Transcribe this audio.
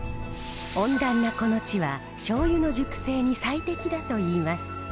温暖なこの地はしょうゆの熟成に最適だといいます。